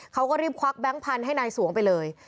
เขาก็รีบควักแก๊งพันธุ์ให้นายสวงไปเลย